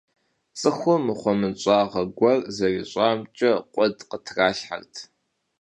Цӏыхум мыхумыщӏагъэ гуэр зэрищӏамкӏэ къуэды къытралъхьэрт.